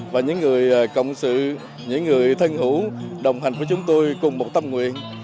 và những người cộng sự những người thân hữu đồng hành với chúng tôi cùng một tâm nguyện